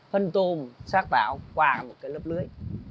phân tôm sát báo qua một cái lớp lưới